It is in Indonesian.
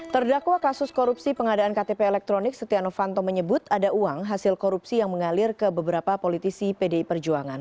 terdakwa kasus korupsi pengadaan ktp elektronik setia novanto menyebut ada uang hasil korupsi yang mengalir ke beberapa politisi pdi perjuangan